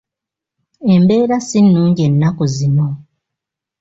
Embeera si nnungi ennaku zino.